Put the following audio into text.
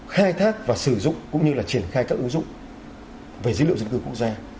khai thác và sử dụng cũng như là triển khai các ứng dụng về dữ liệu dân cư quốc gia